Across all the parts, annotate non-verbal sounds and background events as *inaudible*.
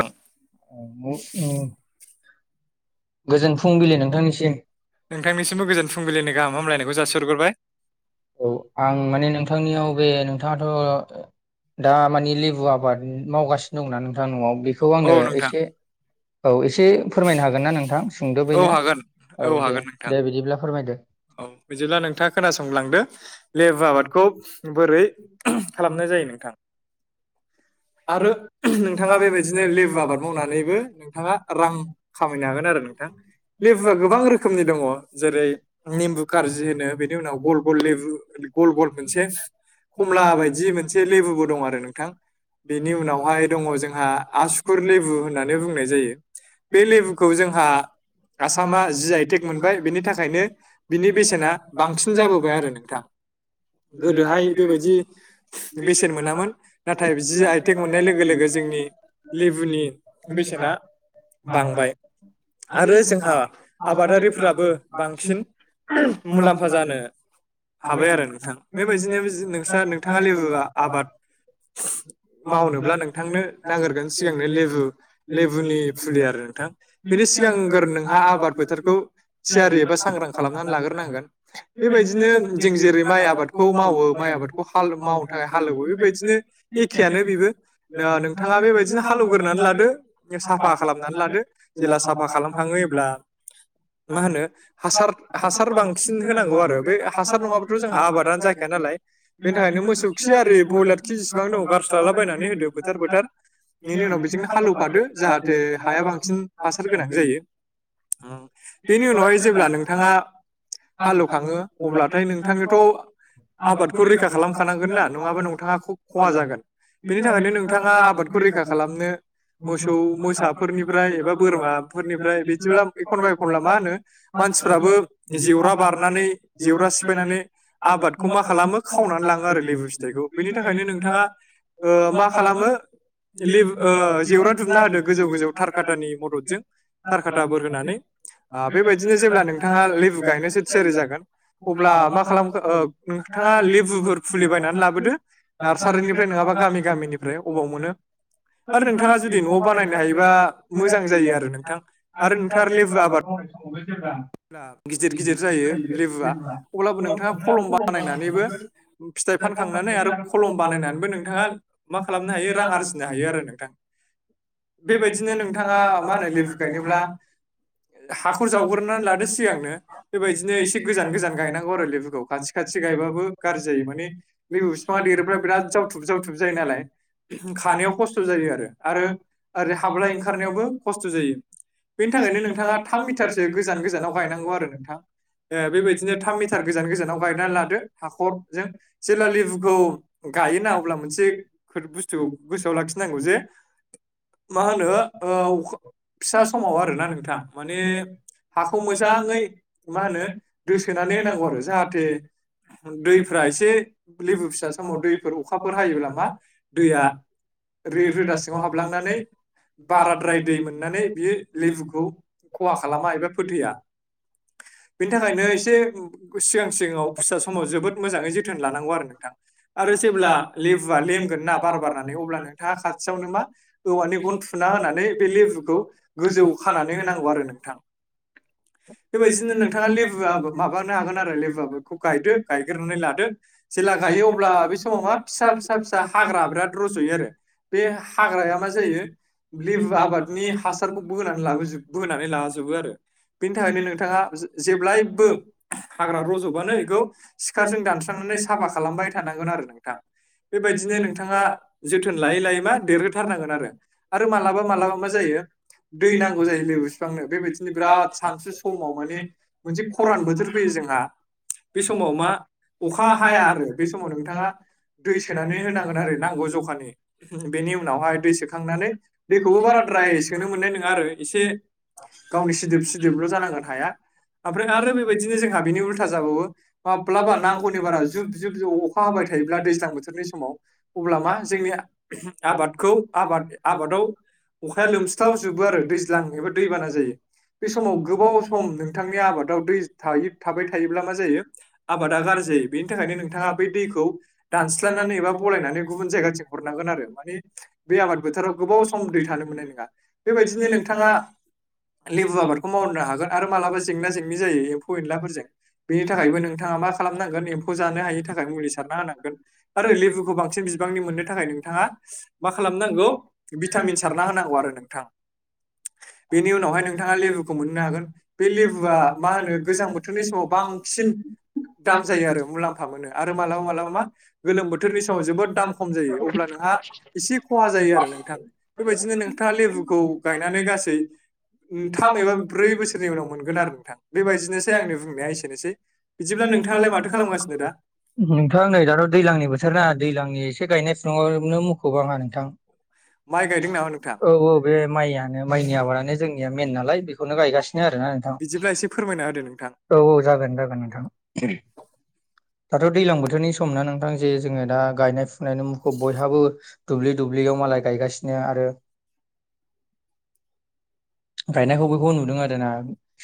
दं। गोजोन फुंबिलि नोंथांनिसिम नोंथांनिसिमबो गोजोन फुंबिलिनि गाहाम हामलायनाय जासि हरगोरबाय औ आं माने नोंथांनियाव बे नोंथांङाथ' दा लेबु आबाद दा मावगासिनो दंना नोंथांखौ औ आंनो नोंथां एसे एसे फोरमायनो हागोन ना नोंथां सोंदो औ बैनो हागोन औ दे हागोन नोंथां दे बिदिब्ला फोरमायदो औ बिदिब्ला नोंथांङा खोनासंलांदो लेबु आबादखौ बोरै खालामनाय जायो नोंथां *inaudible* आरो नोंथांङा बेबायदिनो लेबु आबाद मावनानैबो नोंथांङा रां खामायनो हागोन आरो लेबुआ गोबां रोखोमनि दंङो जेरै नेमबु कारजि होनो बेनि उनाव गल गल लेबु गल गल मोनसे खमला बायदि मोनसे लेबुबो दं आरो नोंथां बेनि उनावहाय दंङो जोंहा आसुकुर लेबु होननानै बुंनाय जायो बे लेबुखौ जों जोंहा आसामा जि आइटेक मोनबाय बेनि थाखायनो बिनि बेसेना बांसिन जाबोबाय आरो नोंथां गोदोहाय बेबायदि बेसेन मोनामोन नाथाय जि आइथें मोननाय लोगो लोगो जोंनि लेबुनि बेसेना बांबाय *unintelligible* आरो जोंहा आबादारिफोराबो बांसिन मुलाम्फा जानो हाबाय आरो नोंथां बेबायदिनो नोंसा नोंथाङा लेबु आबाद मावनोब्ला नोंथांनो नागिरगोन सिगांनो लेबु लेबुनि फुलि आरो नोंथां बिनि सिगांगोर नोंहा आबाद बोथोरखौ थियारि एबा सांग्रां खालाम लाग्रोनांगोन बेबायदिनो जों जेरै माइ आबादखौ मावो माइ आबादखौ हाल मावनो थाखाय हालेवो बेबायदिनो एखेयानो बेबो। नोंथाङा बेबायदिनो हालेवग्रोनानै लादो, साफा खालामनानै लादो, ज जेब्ला साफा खालाम खाङो अब्ला मा होनो हासार हासार बांसिन होनांगौ आरो बे हासार नङाबाथ' जोंहा आबादानो जाखाया नालाय बेनि थाखायनो मोसौ खि बयलार खि जिसिबां दं गारस्लालाबायनानै होदो फोथार फोथार बेनि उनाव बेजोंनो हालेवफादो जाहाथे हाया बांसिन हासार गोनां जायो। बेनि उनावहाय जेब्ला नोंथाङा हालेवखाङो अब्लाथाय नोंथांनोथ' आबादखौ रैखा खालामखानांगोन ना नङाबा नोंथाङा ख खहा जागोन बेनि थाखायनो नोंथाङा आबादखौ रैखा खालामनो मोसौ-मोसाफोरनिफ्राय एबा बोरमाफोरनिफ्राय बिदिब्ला एखनबा एखनब्ला मा होनो म मानसिफ्राबो जेवरा बारनानै जेवरा सिफायनानै आबादखौ मा खालामो खावनानै लाङो आरो लेबु फिथाइखौ बेनि थाखायनो नोंथाङा मा खालामो लेबु जेवरा दुमना होदो गोजौ गोजौ थार खाटानि मददजों थार खाटाफोर होनानै बेबायदिनो जेब्ला नोंथाङा लेबु गायनोसो थियारि जागोन अब्ला मा खालामखो नोंथाङा लेबुफोर फुलि बायनानै लाबोदो नार्सारिनिफ्राय नङाबा गामि गामिनिफ्राय अबाव मोनो आरो नोंथाङा जुदि न'आव बानायनो हायोबा मोजां जायो आरो नोंथां आरो नोंथाङा लेबु आबाद *unintelligible* गिदिर गिदिर गिदिर-गिदिर जायो लेबुआ जेना अब्लाबो नोंथाङा नोंथां खलम खलमा बानायनानैबो फिथाइ फानखांनानै आरो नोंथो खलम बानायनानैबो नोंथाङा *unintelligible* मा खालामनो हायो रां खालाम आरजिनो हायो आरो नोंथां बेबायदिनो नोंथाङा माबा होन लेबु गायनोब्ला हाखर हाखौ जावग्रोनानै जावग्लिना लादो सिगांनो बेबायदिनो एसे गोजान गोजान गायनांगौ आरो लेबुखौ बेदखौ खाथि खानसे खाथि खानसे गायबाबो गाज्रि जायो माने जायोमोन लेबु बिफाङा देरोब्ला बिराद जावथुब जावथुब जायो नालाय *unintelligible* खानायाव खस्थ' जायो आरो आरो ओरै हाबलाय-ओंखारनायावबो खस्थ' जायो बेनि थाखायनो नोंथाङा थाम मिटारसो गोजान गोजानाव गायनांगौ आरो नोंथां बेबायदिनो थाम मिटार गोजान गोजानाव गायनानै लादो हाखरजों जेला लेबुखौ गायो ना अब्ला मोनसे बुस्थुखौ गोसोआव लाखिनांगौ जे मा होनो अखा फिसा समाव आरोना नोंथां माने हाखौ मोजाङै मा होनो दोसोनानै होनांगौ आरो जाहाथे दैफ्रा एसे लेबु फिसा समाव दैफोर अखा फोर हायोब्ला मा दैआ रोदा सिङाव हाबलांनानै बाराद्राय दै मोननानै बियो लेबुखौ खहा खालामा एबा फोथैया *inaudible* बेनि थाखायनो एसे सिगां सिगाङाव फिसा समाव सिगाङावर जोबोद मोजाङै *unintelligible* *unintelligible* *unintelligible* जोथोन लानांगौ आरो नोंथां थाबथारा आरो जेब्ला लेबुआ लेमगोन ना बार बारनानै अब्ला नोंथाङा खाथियावनो मा औवानि स गन थुना होनानै बे लेबुखौ नंगौ गोजौ गोजौवाव खानानै होनांगौ आरो नोंथां बेफोर बेबायदिनो बायदिनो नोंथाङा लेबु आबाद माबानो हागोन आरो लेबु आबादखौ बेखौ गायदो गायग्रोनानै गायखानानै लादो जेला जेब्ला गायो अब्ला बे समाव मा फिसा फिसा फिसा हाग्रा बिराद रज'यो आरो बे हाग्राया मा जायो लेबु आबादनि हासारखौ बोनानै लाबोजोब बोनानै लाजोबो अब्ला आरो *unintelligible* *unintelligible* बेनि थाखायनो नोंथाङा जेब्लायबो हाग्रा रज'बानो बेखौ सिखारजों दानस्रांनानै साफा खालामबाय थानांगोन आरो नोंथां *unintelligible* बेबायदिनो नोंथाङा बेफोर लायै लायबा बेबो थाननोन आरो मालाबा मालाबा मा जायो दै नांगौ जायो लेबु बिफांनो बेबायदिनो *unintelligible* बिराद सानसु समाव माने *unintelligible* मोनसे खरान बोथोर फैयो जोंहा बे समाव मा अखा हाया आरो बे समाव नोंथाङा दै सोनानै होनांगोन आरो ना दखान बेनि उनावहाय दै सोखांनानै दैखौबो बेखौबो बार बाराद्राय सोनो मोननाय आरो नङा आरो एसे गावनि गावनि सिदोब जानांगोन सिदोबल' हाया जायो ओमफ्राय आरो हाया बेबायदिनो जोंहा बेनि ओफ्राय उल्था जाबावो *unintelligible* माब्लाबा गाज्रि नांगौनि बारा जुब जाबोथोर जुब अखा बे हाबाय थायोब्ला समाव दैज्लां बोथोरनि समाव अब्ला अब्ला मा जोंनि आबादखौ आबाद हाबादखौ दा लोमसाव जोबोआरो दैज्लां बोथोराव दैबाना जायो। बे समाव गोबाव सम नोंथांनि आबादाव दै बा थाबाय थायोब्ला मा जायो आबादा *unintelligible* गाज्रि जायो बेनि थाखायनो नोंथाङा नोंथांआ बै दैखौ दानस्लायनानै सानस्रानानै एबा फरायना बलायनानै गुबुन जायग जायगाथिं जायगायाव हरनांगोन थोन आरो माने बे आबाद बोथोरा गोबाव सम *unintelligible* बेबायदिनो नोंथाङा लेबु आबादखौ मावनो हागोन आरो मालाबा जेंना जेंनि जायो एम्फौ एनलाफोरजों। बेनि थाखायबो नोंथाङा मा खालामनांगोन एम्फौ जानो हायिनि थाखाय मुलि सारना होनांगोन। आरो लेबुखौ बांसिनबांनि मोननो थाखाय नोंथाङा मा खालामनांगौ भिटामिन सार होनांगौ आरो नोंथां बेनि उनावहाय नोंथाङा लेबुखौ मोननो हागोन बे लेबुआ मा होनो गोजां बोथोरनि समाव बांसिन दाम जायो आरो मुलाम्फा मोनो आरो मालाबा मालाबा मा गोलोम बोथोरनि समाव जोबोद दाम खम जायो। अब्ला नोंहा एसे खहा जायो आरो नोंथां बेबायदिनो नोंथाङा लेबुखौ गायनानै गासै थाम एबा ब्रै बोसोरनि उनाव मोनगोन आरो नोंथां बेबायदिनोसै आंनि बुंनाया एसेनोसै बिदिब्ला नों नोंथाङालाय माथो खालामगासिनो दा? नोंथां नै दाथ' दैज्लांनि बोथोर ना दैज्लांनि एसे गायनाय फुफुंवनो मुख'ब आंहा नोंथां। माइ गायदों नामा नोंथां औ औ बे माइआानो माइनि आबादानो जोंनि मेेन नालाय बेखौनो गायगासिनो नो आरोना नोंथां बिदिब्ला एसे फोरमायना होदो नोंथां औ औ जागोन जागोन नोंथां दे। दाथ' दैलां बोथोरनि सम नों जे जोंङो दा गायनाय फुनायनि मुंखौ बयहाबो दुब्लि दुब्लियाव मालाय गायगासिनो आरो *inaudible* गायनायखौ बेखौ नुदों आर ना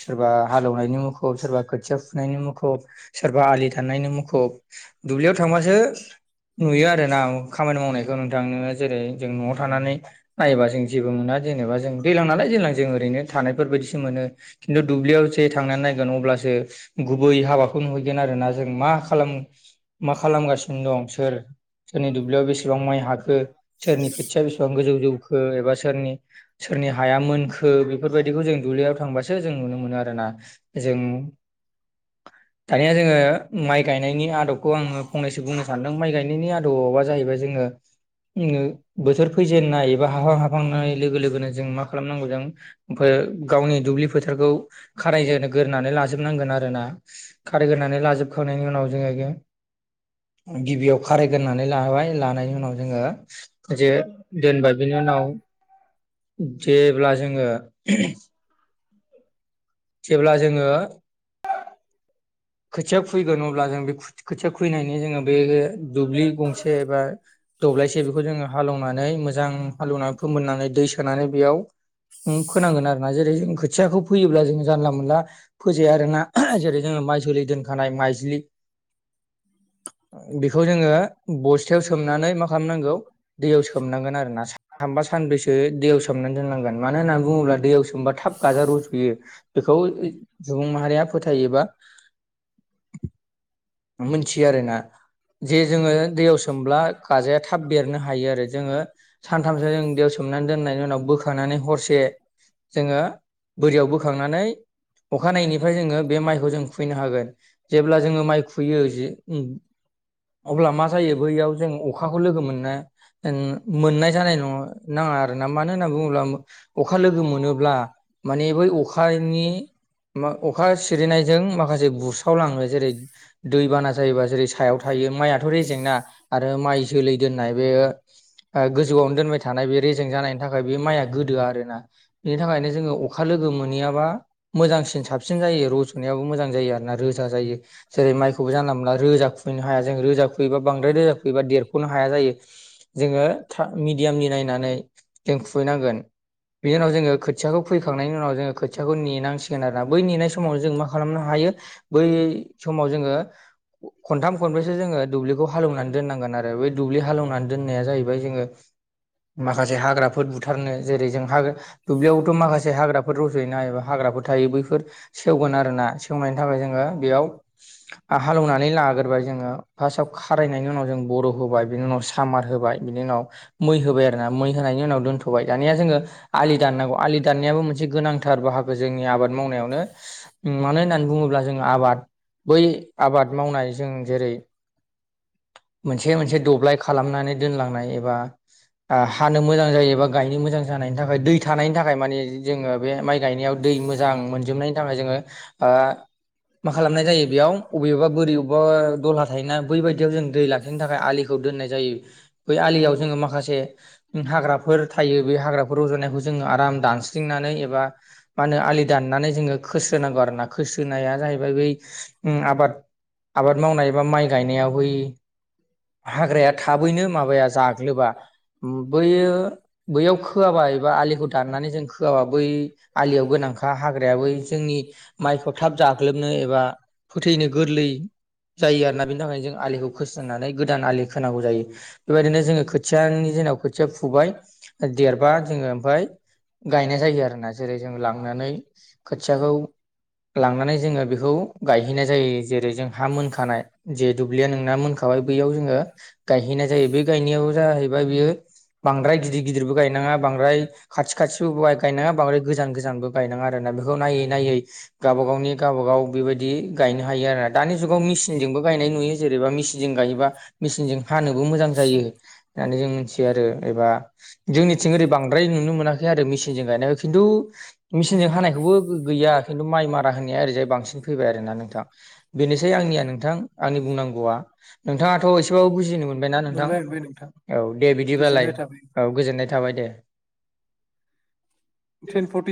सोरबा हालौवनायनि मुखुब सोरबा खोथिया फुनायनि मुखुब। सोरबा आलि दाननायनि मुखुब दुब्लियाव थांबासो नुयो आरोनां खामानि मावनाय नोंथां जेरै जों न'आव थानानै नायबा जों जेबो मोना जबा जों दैज्लां नालाय दैज्लां जों ओरैनो थानायफोरबायायदिसो मोनो खिन्थु दुब्लियाव जे थांनानै नायगोन अब्लासो गुबै हाबाखौ नुहैगोन आरोना जों मा खालाम मा खालामगासिनो दं सोर सोरनि दुब्लियाव बेसेबां माइ हाखो सोरनि खोथिया बेसेबां गोजौ जौखो एबा सोरनि सोरनि हाया मोनखो बेफोरबायदिखौ जों दुब्लियाव थांबासो जों नुनो मोनो आरोना जों दानिया जोङो माइ गायनायनि आदब खौ आङो फंनैसो बुंनो सानदों माइ गायनायनि आदबा जाहैबाय जोङो बोथोर फैजेननाय एबा हाफां हाफांनाय लोगो लोगोनो जों मा खालामनांगौ जों गावनि दुब्लि फोथारखौ खारायजनो गोरनानै लाजोबनांगोन आरो आरो ना खारगानै लाजोबखांनायनि उनाव जोङो गिबियाव खारायग्रनानै लाबाय लानायनि उनाव जोङो जे दोनबाय बेनि उनाव जेब्ला जोङो जेब्ला जोङो खोथिया खुैगोन अब्ला जों बे खोथिया खुबैनायनि जोङो बे दुब्लि गंसे एबा दब्लायसे बेखौ जोङो हालौवनानै मोजां हालौवना फोमोननानै दै सोनानै बेयाव फोनांगोन आरोना जेरै खोथियाखौ फोयोब्ला जों जानला मोनला फोजाया आरोना जेरै जोङो माइ जोलै दोनखानाय माइज्लि बेखौ जोङो बस्थायाव सोमनानै मा खालामनांगौ दैयाव सोमनांगोन आरोना सा थामबा सानब्रैसो दैयाव सोमनानै दोननांगोन मानो होननानै बुङोब्ला दैयाव सोमबा थाब गाजा रज'यो बेखौ *unintelligible* सुबुं माहारिया फोथायोबा मोनथियो आरोना जे जोङो दैयाव सोमब्ला गाजाया थाब बेरनो हायो आरो जोङो सानथामसो जों दैयाव सोम मनानै दोननायनि उनाव बोखानानै हरसे जोङो बोरियाव बोखांनानै अखानायैनिफ्राय जोङो बे माइखौ जों खुबैनो हागोन जेब्ला जोङो माइ खु फैयो जे उम अब्ला मा जायो बैयाव जों अखाखौ लोगो मोनना उम मोननाय जानाय नं नाङा आरोना मानो होनना बुङोब्ला अखा लोगो मोनोब्ला माने बै अखा फायनि मा अखा सिरिनायजों माखासे बुसावलाङो जेरै दै बाना जायोबा जेरै सायाव थायो माइयाथ' रेजेंना आरो माइ जोलै दोननाय बे गोजौआवनो दोनबाय थानाय बे रेजें जानायनि थाखाय बे माइआ गोदोया आरोना बेनि थाखायनो जोङो अखा लोगो मोनैयाबा मोजांसिन साबसिन जायो रज'नायाबो मोजां जायो आरोना रोजा जायो जेरै माय खौबो जानला मोनला रोजा खुबैनो हाया जोङो रोजा खुबैबा बांद्राय रोजा खुबैबा देरख'नो हाया जायो जोङो था मेडियामनि नायनानै जों खुबैनांगोन बिनि उनाव जोङो खोथियाखौ खुइखांनायनि उनाव जोङो खोथियाखौ नेनांसि *unintelligible* आरोना बै नेनाय समाव जों मा खालामनो हायो बै समाव जोङो खनथाम खनब्रैसो जोङो दुब्लिखौ हालेवनानै दोननांगोन आरो बै दुब्लि हालेवनानै दोननाया जाहैबाय जोङो माखासे हाग्राफोर बुथारनो जेरै जों हा दुब्लियावबोथ' माखासे हाग्राफोर रज'योना एबा हाग्रा ग्राफोर थायो बैफोर सेवगोन आरोना सेवनायनि थाखाय जोङो बेयाव हालेवनानै लाग्रोबाय जोङो फास्टआव खारायनायनि उनाव जों बर' होबाय बिनि उनाव सामार होबाय बिनि उनाव मै होबाय आरोना मै होनायनि उनाव दोनथ'बाय दानिया जोङो आलि दाननांगौ आलि दाननाययाबो मोनसे गोनांथार बाहागो जोंनि आबाद मावनायावनो मानो होननानै बुङोब्ला जोङो आबाद बै आबाद मावनाय जों जेरै मोनसे मोनसे दब्लाय खालामनानै दोनलांनाय एबा हानो मोजां जायो बा गायनो मोजां जानायनि थाखाय दै थानायनि थाखाय मानि जोङो बे माइ गायनायाव दै मोजां मोनजोबनायनि थाखाय जोङो मा खालामनाय जायो बेयाव अबेबा बोरि अबेबा दहला थायोना बैबादियाव जों दै लाखिनो थाखाय आलिखौ दोननाय जायो बै आलियाव जोङो माखासे हाग्राफोर थायो बे हाग्राफोर रज'नायखौ जोङो आराम दानस्रिंनानै एबा मा होनो आालि दाननानै जोङो खोस्रोनांगौ आरोना खोस्रो नाया जाहैबाय बै उम आबाद आबाद मावनाय एबा माइ गायनायाव बै हाग्राया थाबैनो माबाया जाग्लोबा बैयो बैयाव खोआबा एबा आलिखौ दाननानै जों खोआबा बै आलियाव गोनां बा हाग्रायाबो जोंनि माइखौ थाब जाग्लोबनो एबा फोथैनो गोरलै जायो आरोना बेनि थाखायनो जों आलिखौ खोस्रोनानै गोदान आलि खोनांगौ जायो। बेबायदिनो जोङो खोथियानि जेराव खोथिया फुबाय देरबा जोङो ओमफाय गायनाय जायो आरोना। जेरै जों लांनानै खोथियाखौ लांनानै जोङो बेखौ गायहैनाय जायो जेरै जों हा मोनखानाय जे दुब्लिया नोंना मोनखाबाय बैयाव जोङो गायहैनाय जायो बे गायनायाव जाहैबाय बेयो बांद्राय गिदिर गिदिरबो गायनाङा बांद्राय खाथि खाथिबो गायनाङा बांद्राय गोजान गोजानबो गायनाङा आर आरोना बेखौ नायै नायै गावबागावनि गावबागाव बेबायदि गायनो हायो आरोना। दानि जुगाव मिसिनजों बो गायनाय नुयो। जेरैबा मिचिनजों गायोबा मिचिनजों हानोबो मोजां जायो होननानै जों मिथियो आरो एबा जोंनिथिं ओरै बांद्राय नुनो मोनाखै आरो मिचिनजों गायनाय खिन्थु मिचिनजों हानायखौबो गै या खिनथु माइ मारा होननाया ओरैजाय बांसिन फैबाय आरोना नोंथां। बेनोसै आंनिया नोंथां आंनि बुंनांगौ गौआ। नोंथाङाथ' एसेबाबो बुजिनो मोन बायना नोंथां? औ दे बिदिबालाय औ गोजोननाय थाबाय दे। Ten forty